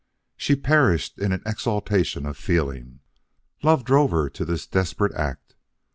She perished in an exaltation of feeling. Love drove her to this desperate act.